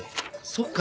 そっか。